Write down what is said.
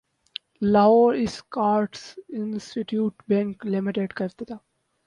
Lahore Escorts investment bank لمیٹڈکاافتتاح